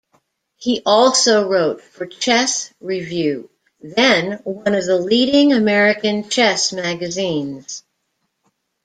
He also wrote for "Chess Review", then one of the leading American chess magazines.